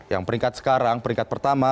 yang peringkat sekarang peringkat pertama